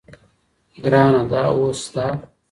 ګرانه !دا اوس ستا